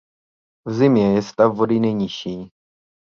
V zimě je stav vody nejnižší.